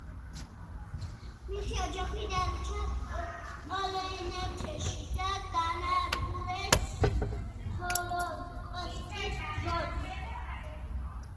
მისი ოჯახი დარჩა პოლონეთში და გაანადგურეს ჰოლოკოსტის დროს.